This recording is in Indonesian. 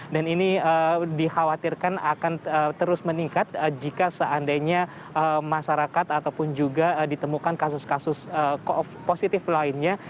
dan ini dikhawatirkan akan terus meningkat jika seandainya masyarakat ataupun juga ditemukan kasus kasus positif lainnya